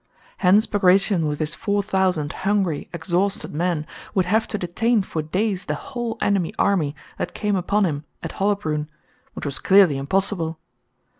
Hence Bagratión with his four thousand hungry, exhausted men would have to detain for days the whole enemy army that came upon him at Hollabrünn, which was clearly impossible.